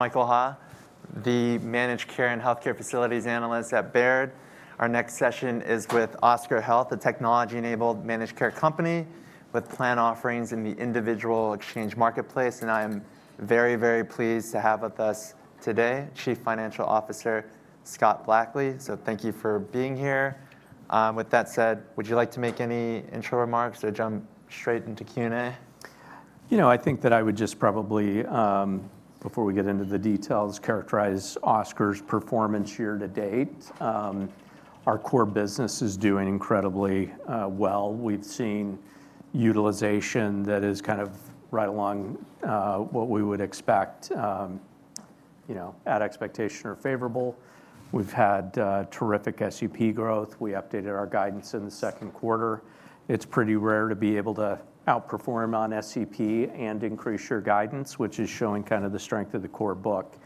Michael Ha, the managed care and healthcare facilities analyst at Baird. Our next session is with Oscar Health, a technology-enabled managed care company with plan offerings in the individual exchange marketplace, and I am very, very pleased to have with us today Chief Financial Officer, Scott Blackley. So thank you for being here. With that said, would you like to make any intro remarks or jump straight into Q&A? You know, I think that I would just probably, before we get into the details, characterize Oscar's performance year to date. Our core business is doing incredibly well. We've seen utilization that is kind of right along what we would expect, you know, at expectation or favorable. We've had terrific SEP growth. We updated our guidance in the second quarter. It's pretty rare to be able to outperform on SEP and increase your guidance, which is showing kind of the strength of the core book,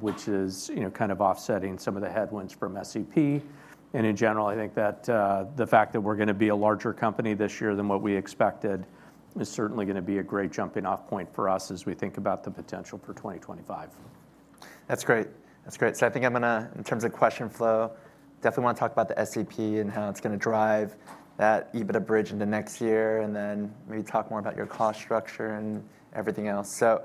which is, you know, kind of offsetting some of the headwinds from SEP, and in general, I think that the fact that we're going to be a larger company this year than what we expected is certainly going to be a great jumping-off point for us as we think about the potential for 2025. That's great. So I think I'm going to, in terms of question flow, definitely want to talk about the SEP and how it's going to drive that EBITDA bridge into next year, and then maybe talk more about your cost structure and everything else. So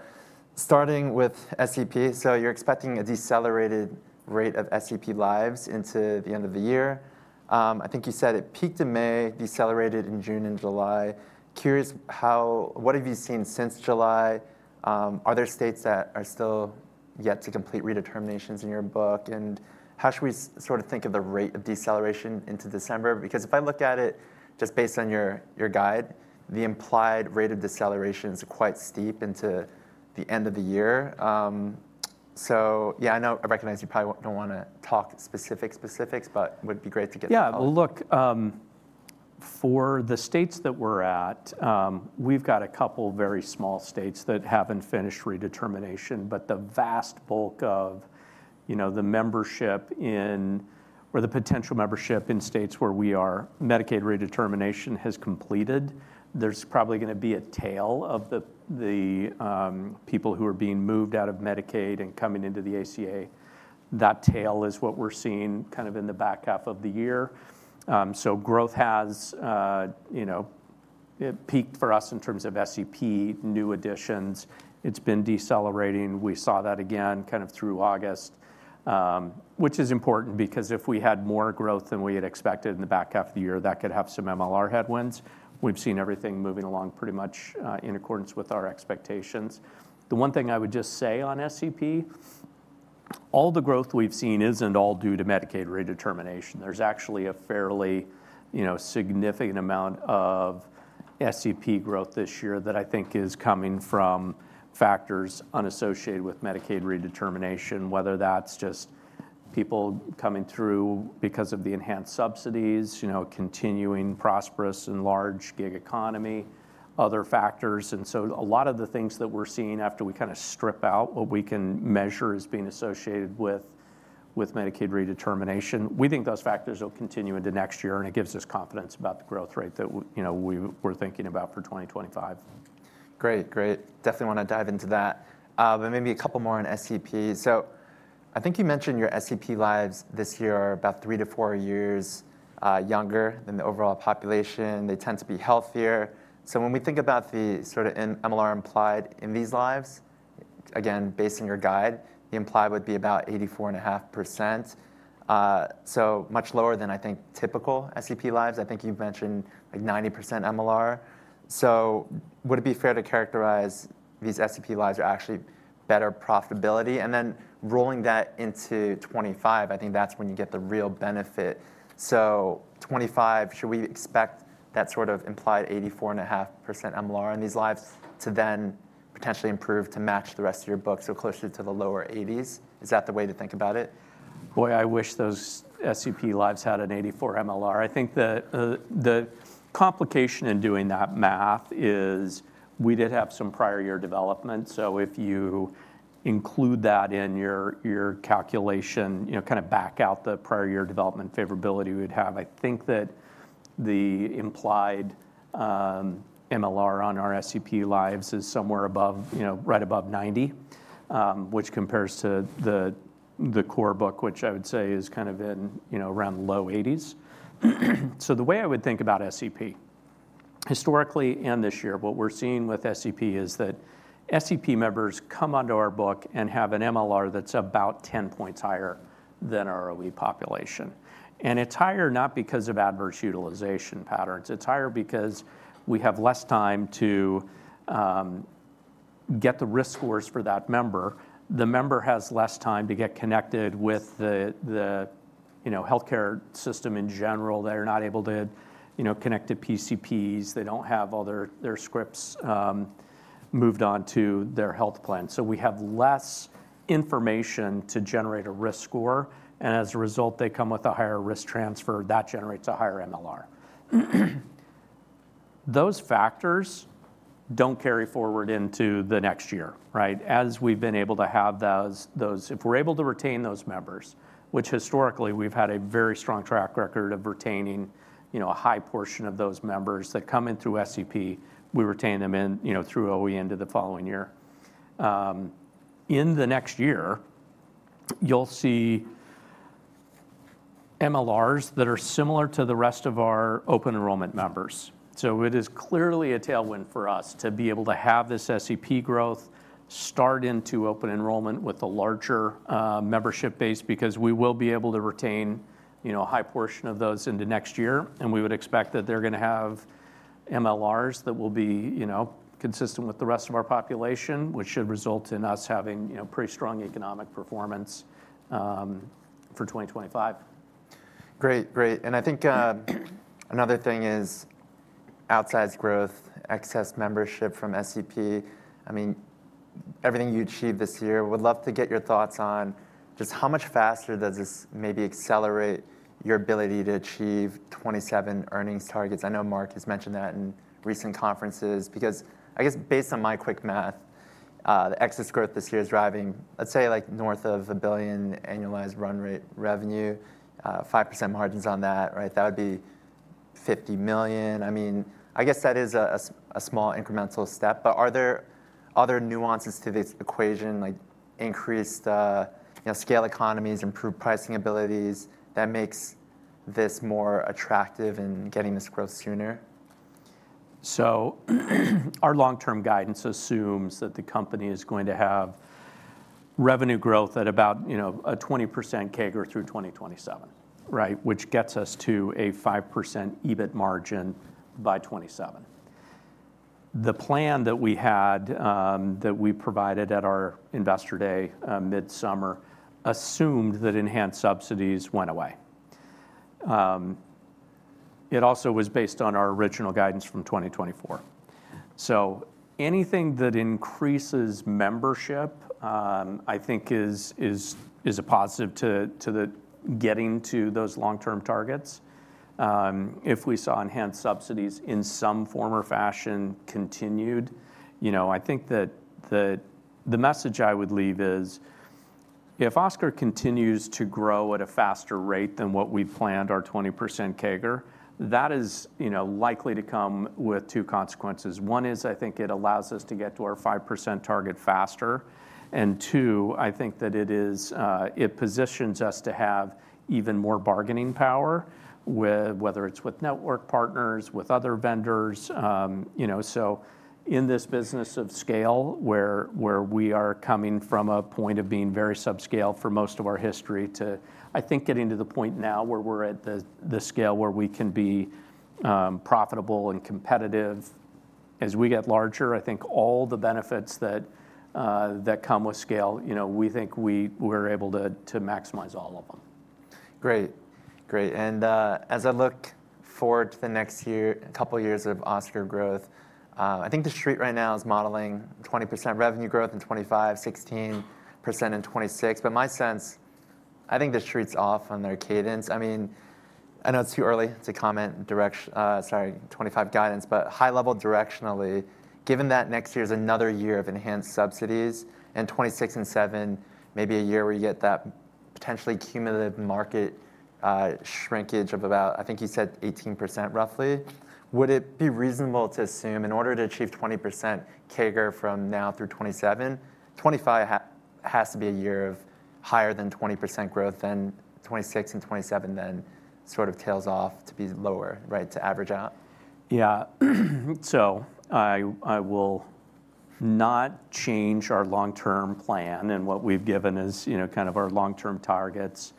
starting with SEP, so you're expecting a decelerated rate of SEP lives into the end of the year. I think you said it peaked in May, decelerated in June and July. Curious how—what have you seen since July? Are there states that are still yet to complete redeterminations in your book? And how should we sort of think of the rate of deceleration into December? Because if I looked at it just based on your guide, the implied rate of deceleration is quite steep into the end of the year. So yeah, I know, I recognize you probably don't want to talk specific specifics, but would be great to get the- Yeah, look, for the states that we're at, we've got a couple of very small states that haven't finished redetermination, but the vast bulk of, you know, the membership in, or the potential membership in states where we are, Medicaid redetermination has completed. There's probably going to be a tail of the people who are being moved out of Medicaid and coming into the ACA. That tail is what we're seeing kind of in the back half of the year. So growth has, you know, it peaked for us in terms of SEP, new additions. It's been decelerating. We saw that again, kind of through August, which is important because if we had more growth than we had expected in the back half of the year, that could have some MLR headwinds. We've seen everything moving along pretty much in accordance with our expectations. The one thing I would just say on SEP, all the growth we've seen isn't all due to Medicaid redetermination. There's actually a fairly, you know, significant amount of SEP growth this year that I think is coming from factors unassociated with Medicaid redetermination, whether that's just people coming through because of the enhanced subsidies, you know, continuing prosperous and large gig economy, other factors. And so a lot of the things that we're seeing after we kind of strip out what we can measure as being associated with Medicaid redetermination, we think those factors will continue into next year, and it gives us confidence about the growth rate that you know, we were thinking about for 2025. Great, great. Definitely want to dive into that, but maybe a couple more on SEP, so I think you mentioned your SEP lives this year are about three to four years younger than the overall population. They tend to be healthier, so when we think about the sort of an MLR implied in these lives, again, based on your guide, the implied would be about 84.5%, so much lower than, I think, typical SEP lives. I think you've mentioned, like, 90% MLR, so would it be fair to characterize these SEP lives are actually better profitability, and then rolling that into 2025, I think that's when you get the real benefit. 2025, should we expect that sort of implied 84.5% MLR on these lives to then potentially improve to match the rest of your book, so closer to the lower 80s%? Is that the way to think about it? Boy, I wish those SEP lives had an eighty-four MLR. I think the complication in doing that math is we did have some prior year development. So if you include that in your calculation, you know, kind of back out the prior year development favorability we'd have. I think that the implied MLR on our SEP lives is somewhere above, you know, right above ninety, which compares to the core book, which I would say is kind of in, you know, around the low eighties. So the way I would think about SEP, historically and this year, what we're seeing with SEP is that SEP members come onto our book and have an MLR that's about ten points higher than our OE population. And it's higher not because of adverse utilization patterns, it's higher because we have less time to get the risk scores for that member. The member has less time to get connected with the you know, healthcare system in general. They're not able to you know, connect to PCPs, they don't have all their scripts moved on to their health plan. So we have less information to generate a risk score, and as a result, they come with a higher risk transfer that generates a higher MLR. Those factors don't carry forward into the next year, right? As we've been able to have those... If we're able to retain those members, which historically, we've had a very strong track record of retaining, you know, a high portion of those members that come in through SEP, we retain them in, you know, through OE into the following year. In the next year, you'll see MLRs that are similar to the rest of our open enrollment members. So it is clearly a tailwind for us to be able to have this SEP growth start into open enrollment with a larger membership base, because we will be able to retain, you know, a high portion of those into next year, and we would expect that they're going to have MLRs that will be, you know, consistent with the rest of our population, which should result in us having, you know, pretty strong economic performance for 2025. Great, great. And I think another thing is outsized growth, excess membership from SEP. I mean, everything you achieved this year, would love to get your thoughts on just how much faster does this maybe accelerate your ability to achieve 2027 earnings targets? I know Mark has mentioned that in recent conferences. Because I guess based on my quick math, the excess growth this year is driving, let's say, like north of $1 billion annualized run rate revenue, 5% margins on that, right? That would be $50 million. I mean, I guess that is a small incremental step, but are there other nuances to this equation, like increased, you know, scale economies, improved pricing abilities, that makes this more attractive in getting this growth sooner? So our long-term guidance assumes that the company is going to have revenue growth at about, you know, a 20% CAGR through 2027, right? Which gets us to a 5% EBIT margin by 2027. The plan that we had, that we provided at our investor day, midsummer, assumed that enhanced subsidies went away. It also was based on our original guidance from 2024. So anything that increases membership, I think is a positive to the getting to those long-term targets. If we saw enhanced subsidies in some form or fashion continued, you know, I think that the message I would leave is, if Oscar continues to grow at a faster rate than what we planned, our 20% CAGR, that is, you know, likely to come with two consequences. One is, I think it allows us to get to our 5% target faster, and two, I think that it is, it positions us to have even more bargaining power, whether it's with network partners, with other vendors, you know, so in this business of scale, where we are coming from a point of being very subscale for most of our history to, I think, getting to the point now where we're at the scale where we can be profitable and competitive. As we get larger, I think all the benefits that come with scale, you know, we think we're able to maximize all of them. Great. Great, and as I look forward to the next year, couple years of Oscar growth, I think the Street right now is modeling 20% revenue growth in 2025, 16% in 2026. But my sense, I think the Street's off on their cadence. I mean, I know it's too early to comment direction, 2025 guidance, but high level directionally, given that next year is another year of enhanced subsidies, and 2026 and 2027, maybe a year where you get that potentially cumulative market, shrinkage of about, I think you said 18% roughly. Would it be reasonable to assume, in order to achieve 20% CAGR from now through 2027, 2025 has to be a year of higher than 20% growth, then 2026 and 2027 then sort of tails off to be lower, right, to average out? Yeah. So I will not change our long-term plan, and what we've given as, you know, kind of our long-term targets.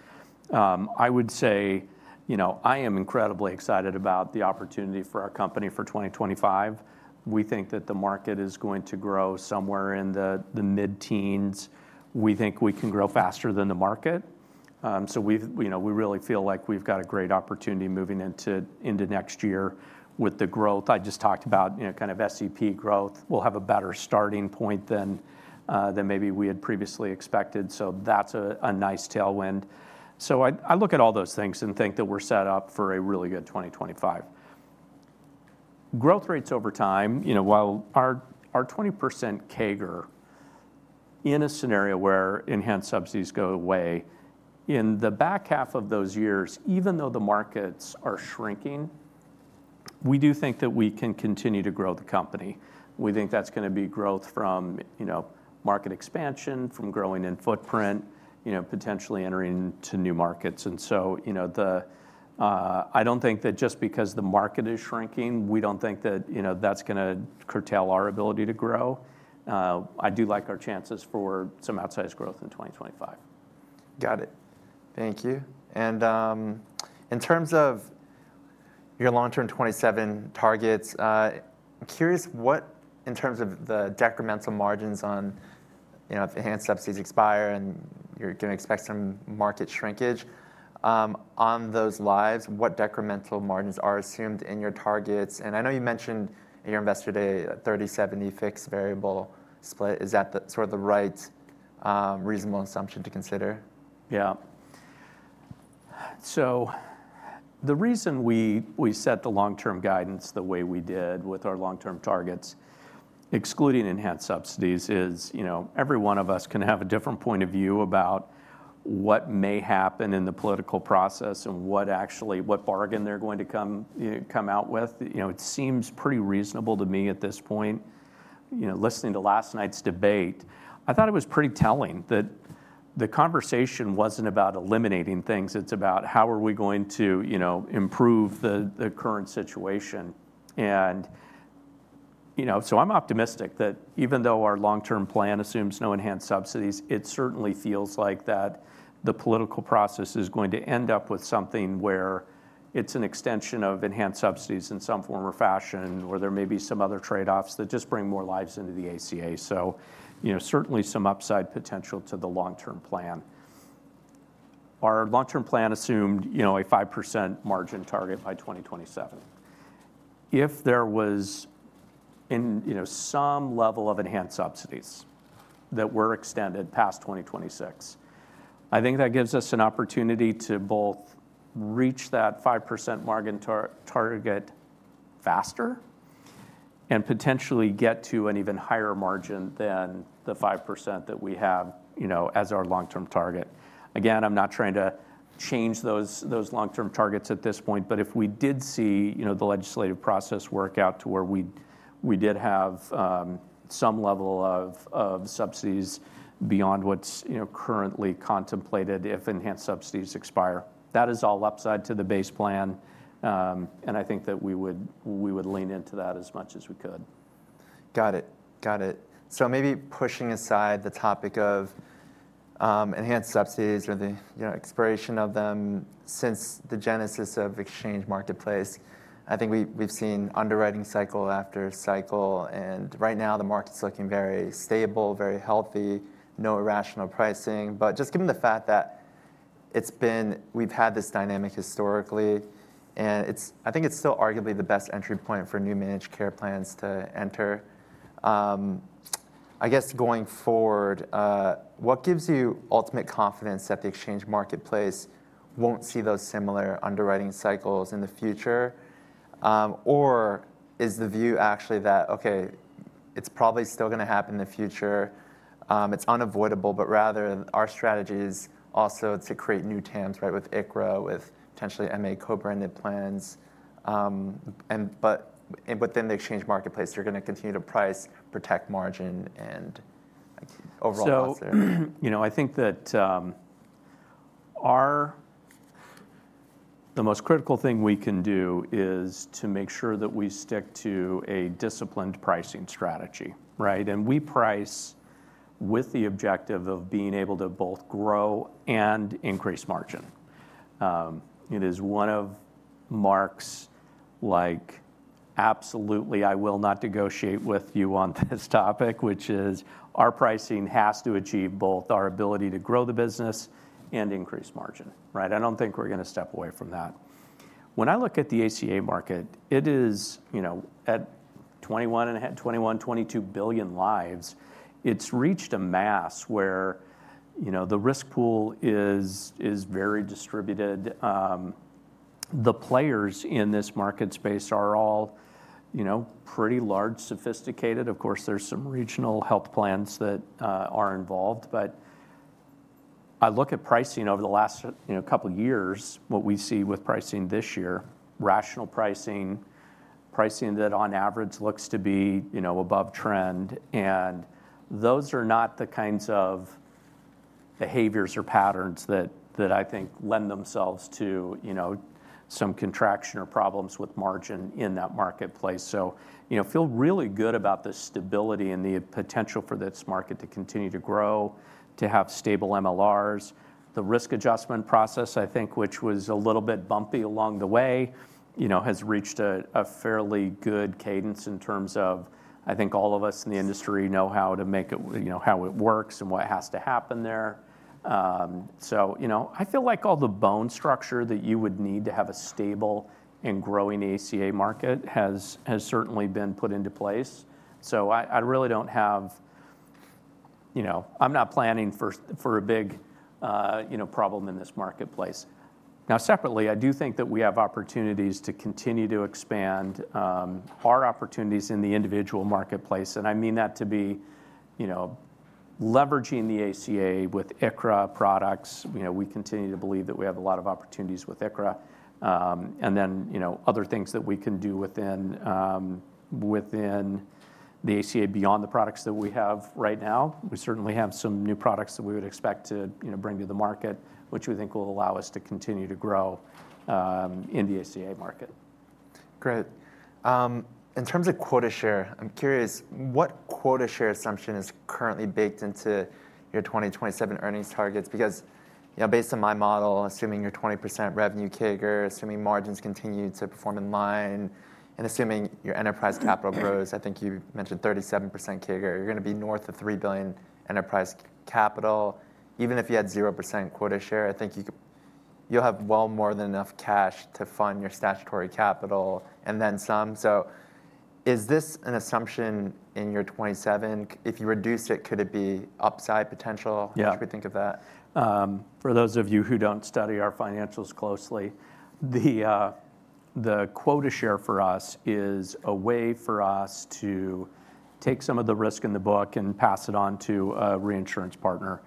I would say, you know, I am incredibly excited about the opportunity for our company for 2025. We think that the market is going to grow somewhere in the mid-teens. We think we can grow faster than the market. So we've, you know, we really feel like we've got a great opportunity moving into next year with the growth I just talked about, you know, kind of SEP growth. We'll have a better starting point than maybe we had previously expected, so that's a nice tailwind. So I look at all those things and think that we're set up for a really good 2025. Growth rates over time, you know, while our 20% CAGR in a scenario where enhanced subsidies go away, in the back half of those years, even though the markets are shrinking, we do think that we can continue to grow the company. We think that's going to be growth from, you know, market expansion, from growing in footprint, you know, potentially entering into new markets. So, you know, I don't think that just because the market is shrinking, we don't think that, you know, that's gonna curtail our ability to grow. I do like our chances for some outsized growth in 2025. Got it. Thank you. And, in terms of your long-term 2027 targets, I'm curious what, in terms of the decremental margins on, you know, if enhanced subsidies expire, and you're going to expect some market shrinkage, on those lives, what decremental margins are assumed in your targets? And I know you mentioned in your Investor Day, a thirty/seventy fixed variable split. Is that the, sort of the right, reasonable assumption to consider? Yeah. So the reason we set the long-term guidance the way we did with our long-term targets, excluding enhanced subsidies, is, you know, every one of us can have a different point of view about what may happen in the political process and what bargain they're going to come, you know, come out with. You know, it seems pretty reasonable to me at this point, you know, listening to last night's debate, I thought it was pretty telling that the conversation wasn't about eliminating things, it's about how are we going to, you know, improve the current situation? You know, so I'm optimistic that even though our long-term plan assumes no enhanced subsidies, it certainly feels like that the political process is going to end up with something where it's an extension of enhanced subsidies in some form or fashion, or there may be some other trade-offs that just bring more lives into the ACA. So, you know, certainly some upside potential to the long-term plan. Our long-term plan assumed, you know, a 5% margin target by 2027. If there was in, you know, some level of enhanced subsidies that were extended past 2026, I think that gives us an opportunity to both reach that 5% margin target faster, and potentially get to an even higher margin than the 5% that we have, you know, as our long-term target. Again, I'm not trying to change those long-term targets at this point, but if we did see, you know, the legislative process work out to where we did have some level of subsidies beyond what's, you know, currently contemplated. If enhanced subsidies expire, that is all upside to the base plan, and I think that we would lean into that as much as we could. Got it. Got it. So maybe pushing aside the topic of enhanced subsidies or the, you know, expiration of them, since the genesis of exchange marketplace, I think we've seen underwriting cycle after cycle, and right now, the market's looking very stable, very healthy, no irrational pricing. But just given the fact that it's been, we've had this dynamic historically, and it's, I think it's still arguably the best entry point for new managed care plans to enter. I guess going forward, what gives you ultimate confidence that the exchange marketplace won't see those similar underwriting cycles in the future? Or is the view actually that, okay, it's probably still gonna happen in the future, it's unavoidable, but rather our strategy is also to create new TAMs, right, with ICHRA, with potentially MA co-branded plans, and then the exchange marketplace, you're gonna continue to price, protect margin, and overall consider? You know, I think that the most critical thing we can do is to make sure that we stick to a disciplined pricing strategy, right? And we price with the objective of being able to both grow and increase margin. It is one of Mark's, like, absolutely, I will not negotiate with you on this topic, which is our pricing has to achieve both our ability to grow the business and increase margin, right? I don't think we're gonna step away from that. When I look at the ACA market, it is, you know, at 21.5, 21, 22 billion lives. It's reached a mass where, you know, the risk pool is very distributed. The players in this market space are all, you know, pretty large, sophisticated. Of course, there's some regional health plans that are involved, but I look at pricing over the last, you know, couple of years, what we see with pricing this year, rational pricing, pricing that on average looks to be, you know, above trend, and those are not the kinds of behaviors or patterns that I think lend themselves to, you know, some contraction or problems with margin in that marketplace. So, you know, feel really good about the stability and the potential for this market to continue to grow, to have stable MLRs. The risk adjustment process, I think, which was a little bit bumpy along the way, you know, has reached a fairly good cadence in terms of, I think all of us in the industry know how to make it, you know, how it works and what has to happen there. So, you know, I feel like all the bone structure that you would need to have a stable and growing ACA market has certainly been put into place. So I really don't have... You know, I'm not planning for a big, you know, problem in this marketplace. Now, separately, I do think that we have opportunities to continue to expand our opportunities in the individual marketplace, and I mean that to be, you know, leveraging the ACA with ICHRA products. You know, we continue to believe that we have a lot of opportunities with ICHRA. And then, you know, other things that we can do within the ACA beyond the products that we have right now. We certainly have some new products that we would expect to, you know, bring to the market, which we think will allow us to continue to grow in the ACA market. Great. In terms of quota share, I'm curious, what quota share assumption is currently baked into your 2027 earnings targets? Because, you know, based on my model, assuming your 20% revenue CAGR, assuming margins continue to perform in line, and assuming your enterprise capital grows, I think you mentioned 37% CAGR, you're gonna be north of $3 billion enterprise capital. Even if you had 0% quota share, you'll have well more than enough cash to fund your statutory capital and then some. So is this an assumption in your 2027? If you reduced it, could it be upside potential? Yeah. How should we think of that? For those of you who don't study our financials closely, the quota share for us is a way for us to take some of the risk in the book and pass it on to a reinsurance partner.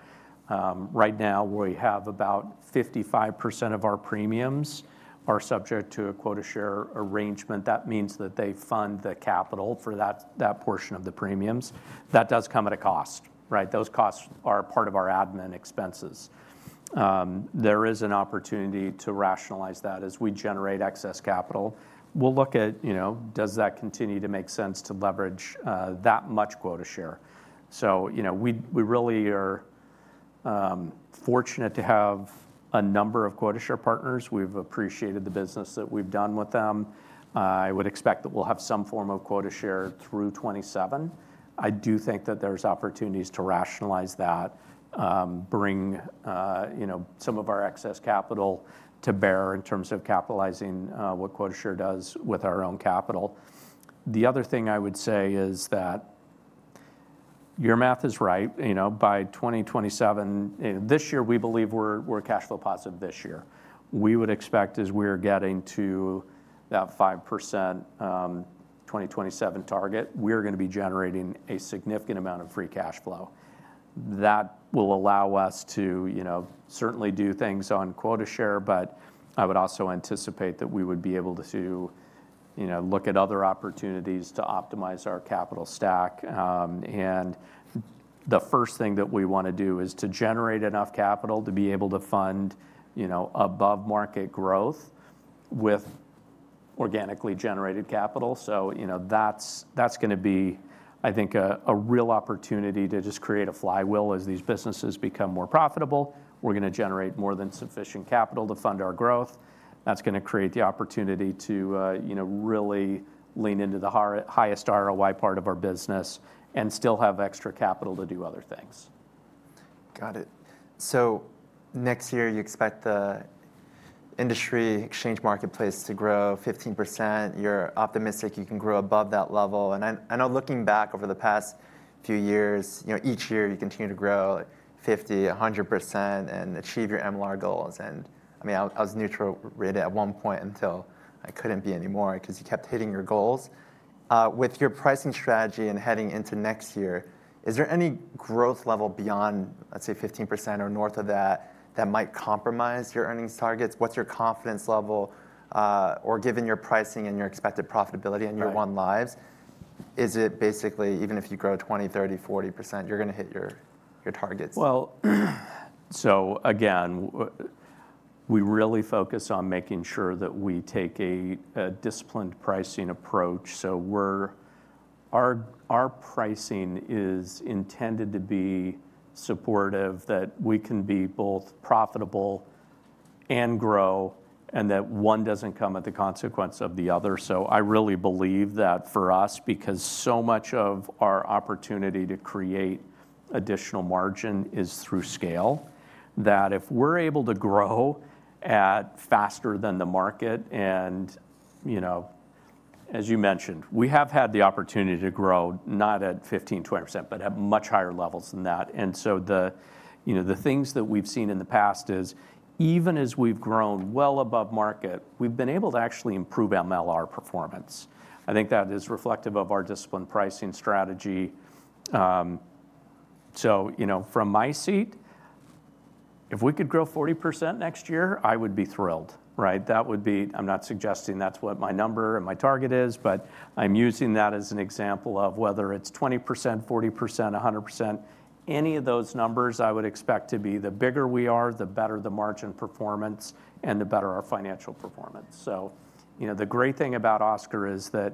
Right now, we have about 55% of our premiums are subject to a quota share arrangement. That means that they fund the capital for that portion of the premiums. That does come at a cost, right? Those costs are part of our admin expenses. There is an opportunity to rationalize that as we generate excess capital. We'll look at, you know, does that continue to make sense to leverage that much quota share? So, you know, we really are fortunate to have a number of quota share partners. We've appreciated the business that we've done with them. I would expect that we'll have some form of quota share through 2027. I do think that there's opportunities to rationalize that, bring, you know, some of our excess capital to bear in terms of capitalizing what quota share does with our own capital. The other thing I would say is that your math is right. You know, by 2027, this year, we believe we're cash flow positive this year. We would expect as we're getting to that 5%, 2027 target, we're gonna be generating a significant amount of free cash flow. That will allow us to, you know, certainly do things on quota share, but I would also anticipate that we would be able to, you know, look at other opportunities to optimize our capital stack. And the first thing that we want to do is to generate enough capital to be able to fund, you know, above-market growth with organically generated capital. So, you know, that's gonna be, I think, a real opportunity to just create a flywheel. As these businesses become more profitable, we're gonna generate more than sufficient capital to fund our growth. That's gonna create the opportunity to, you know, really lean into the highest ROI part of our business and still have extra capital to do other things. Got it. So next year, you expect the industry exchange marketplace to grow 15%. You're optimistic you can grow above that level. And I know looking back over the past few years, you know, each year you continue to grow 50, 100% and achieve your MLR goals. And, I mean, I was neutral-rated at one point until I couldn't be anymore because you kept hitting your goals. With your pricing strategy and heading into next year, is there any growth level beyond, let's say, 15% or north of that, that might compromise your earnings targets? What's your confidence level, or given your pricing and your expected profitability in Year One lives. Is it basically, even if you grow 20%, 30%, 40%, you're gonna hit your targets? Well, so again, we really focus on making sure that we take a disciplined pricing approach. So our pricing is intended to be supportive, that we can be both profitable and grow, and that one doesn't come at the consequence of the other. So I really believe that for us, because so much of our opportunity to create additional margin is through scale, that if we're able to grow at faster than the market, and you know, as you mentioned, we have had the opportunity to grow, not at 15%-20%, but at much higher levels than that. And so the you know, the things that we've seen in the past is, even as we've grown well above market, we've been able to actually improve MLR performance. I think that is reflective of our disciplined pricing strategy. So, you know, from my seat, if we could grow 40% next year, I would be thrilled, right? That would be. I'm not suggesting that's what my number and my target is, but I'm using that as an example of whether it's 20%, 40%, 100%, any of those numbers I would expect to be the bigger we are, the better the margin performance and the better our financial performance. So, you know, the great thing about Oscar is that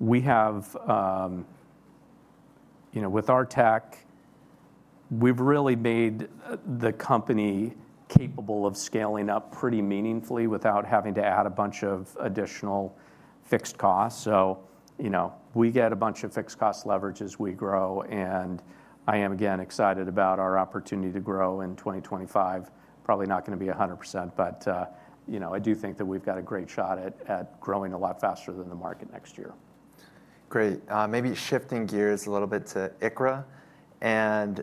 we have, you know, with our tech, we've really made the company capable of scaling up pretty meaningfully without having to add a bunch of additional fixed costs. So, you know, we get a bunch of fixed cost leverage as we grow, and I am again, excited about our opportunity to grow in 2025. Probably not gonna be 100%, but you know, I do think that we've got a great shot at growing a lot faster than the market next year. Great. Maybe shifting gears a little bit to ICHRA, and,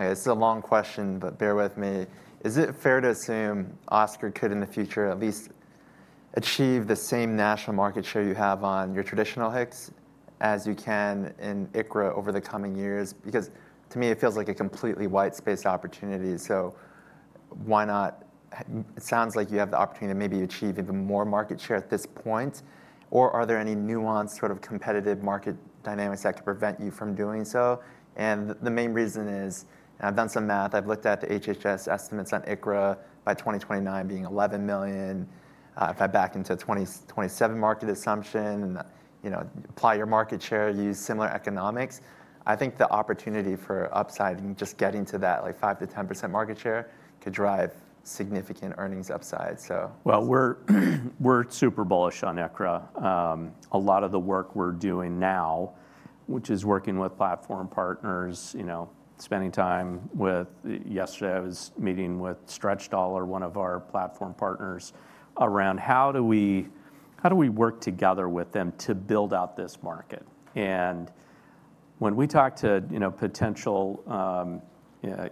it's a long question, but bear with me. Is it fair to assume Oscar could, in the future, at least achieve the same national market share you have on your traditional HIX as you can in ICHRA over the coming years? Because to me, it feels like a completely white space opportunity, so why not? It sounds like you have the opportunity to maybe achieve even more market share at this point, or are there any nuanced, sort of competitive market dynamics that could prevent you from doing so? And the main reason is, and I've done some math, I've looked at the HHS estimates on ICHRA by 2029 being 11 million. If I back into 2027 market assumption and, you know, apply your market share, use similar economics, I think the opportunity for upside and just getting to that, like, 5%-10% market share could drive significant earnings upside, so. Well, we're super bullish on ICHRA. A lot of the work we're doing now, which is working with platform partners, you know, spending time with... Yesterday, I was meeting with Stretch Dollar, one of our platform partners, around how do we work together with them to build out this market? When we talk to, you know, potential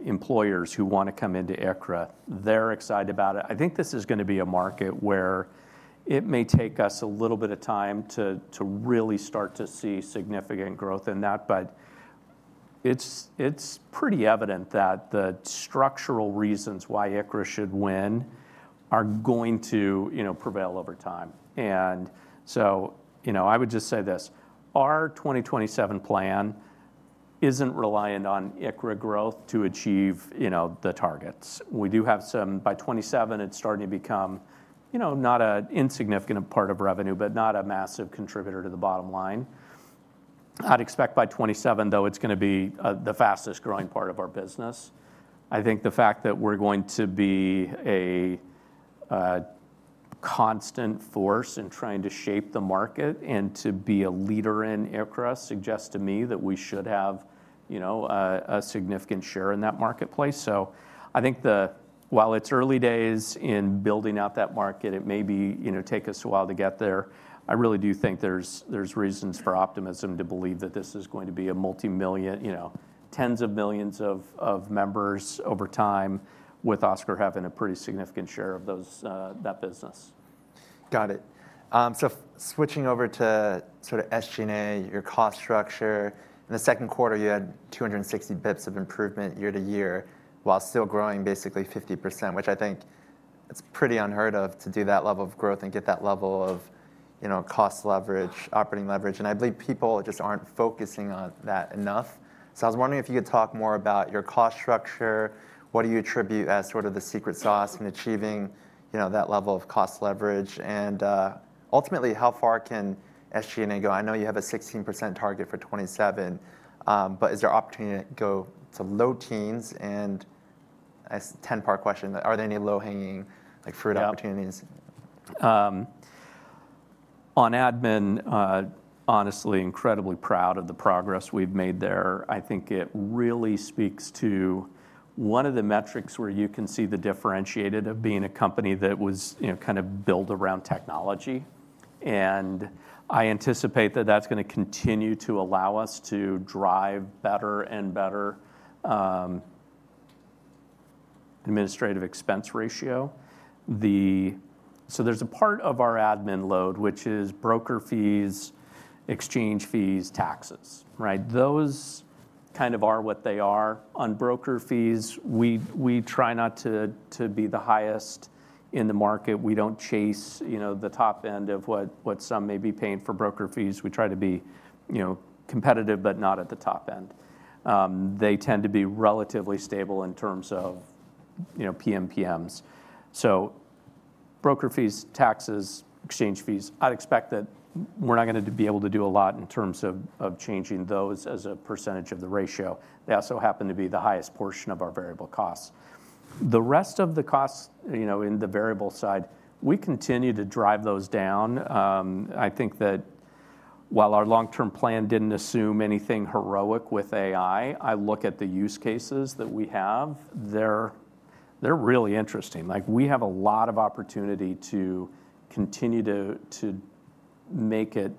employers who want to come into ICHRA, they're excited about it. I think this is gonna be a market where it may take us a little bit of time to really start to see significant growth in that, but it's pretty evident that the structural reasons why ICHRA should win are going to, you know, prevail over time. And so, you know, I would just say this: Our 2027 plan isn't reliant on ICHRA growth to achieve, you know, the targets. We do have. By 2027, it's starting to become, you know, not an insignificant part of revenue, but not a massive contributor to the bottom line. I'd expect by 2027, though, it's gonna be the fastest growing part of our business. I think the fact that we're going to be a constant force in trying to shape the market and to be a leader in ICHRA suggests to me that we should have, you know, a significant share in that marketplace. So I think while it's early days in building out that market, it may be, you know, take us a while to get there. I really do think there's reasons for optimism to believe that this is going to be a multimillion, you know, tens of millions of members over time, with Oscar having a pretty significant share of those, that business. Got it. So switching over to sort of SG&A, your cost structure. In the second quarter, you had 260 basis points of improvement year to year, while still growing basically 50%, which I think it's pretty unheard of to do that level of growth and get that level of, you know, cost leverage, operating leverage, and I believe people just aren't focusing on that enough. So I was wondering if you could talk more about your cost structure. What do you attribute as sort of the secret sauce in achieving, you know, that level of cost leverage? And ultimately, how far can SG&A go? I know you have a 16% target for 2027, but is there opportunity to go to low teens? And as a 10-part question, are there any low-hanging, like, fruit opportunities? Yeah. On admin, honestly, incredibly proud of the progress we've made there. I think it really speaks to one of the metrics where you can see the differentiated of being a company that was, you know, kind of built around technology, and I anticipate that that's gonna continue to allow us to drive better and better administrative expense ratio. The. So there's a part of our admin load, which is broker fees, exchange fees, taxes, right? Those kind of are what they are. On broker fees, we try not to be the highest in the market. We don't chase, you know, the top end of what some may be paying for broker fees. We try to be, you know, competitive, but not at the top end. They tend to be relatively stable in terms of, you know, PMPMs. So broker fees, taxes, exchange fees, I'd expect that we're not gonna be able to do a lot in terms of changing those as a percentage of the ratio. They also happen to be the highest portion of our variable costs. The rest of the costs, you know, in the variable side, we continue to drive those down. I think that while our long-term plan didn't assume anything heroic with AI, I look at the use cases that we have, they're really interesting. Like, we have a lot of opportunity to continue to make it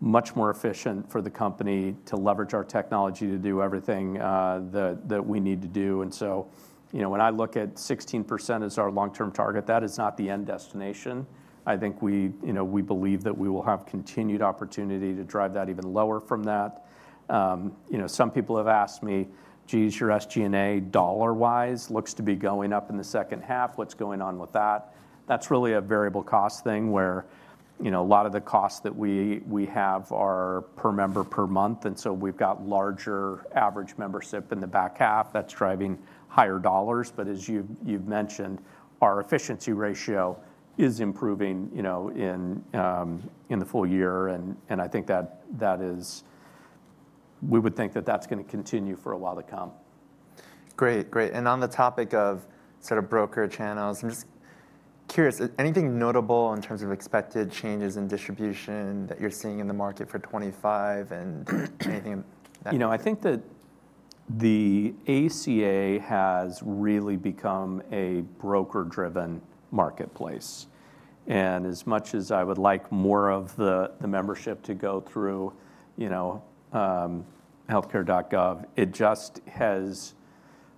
much more efficient for the company to leverage our technology to do everything that we need to do. And so, you know, when I look at 16% as our long-term target, that is not the end destination. I think we, you know, we believe that we will have continued opportunity to drive that even lower from that. You know, some people have asked me, "Geez, your SG&A, dollar-wise, looks to be going up in the second half. What's going on with that?" That's really a variable cost thing, where, you know, a lot of the costs that we have are per member, per month, and so we've got larger average membership in the back half that's driving higher dollars. But as you've mentioned, our efficiency ratio is improving, you know, in the full year, and I think that is... We would think that that's gonna continue for a while to come. Great, great, and on the topic of sort of broker channels, I'm just curious, anything notable in terms of expected changes in distribution that you're seeing in the market for 2025 and anything that- You know, I think that the ACA has really become a broker-driven marketplace, and as much as I would like more of the membership to go through, you know, HealthCare.gov, it just has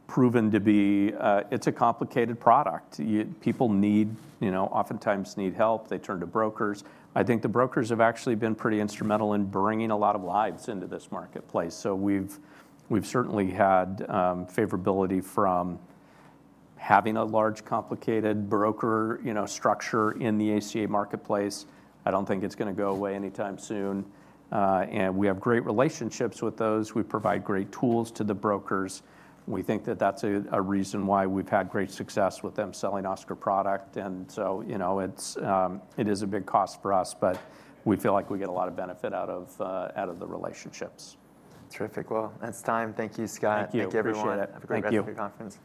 proven to be. It's a complicated product. People need, you know, oftentimes need help. They turn to brokers. I think the brokers have actually been pretty instrumental in bringing a lot of lives into this marketplace, so we've certainly had favorability from having a large, complicated broker, you know, structure in the ACA marketplace. I don't think it's gonna go away anytime soon, and we have great relationships with those. We provide great tools to the brokers. We think that that's a reason why we've had great success with them selling Oscar product. You know, it is a big cost for us, but we feel like we get a lot of benefit out of the relationships. Terrific. That's time. Thank you, Scott. Thank you, appreciate it.